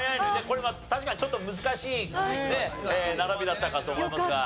これは確かにちょっと難しい並びだったかと思いますが。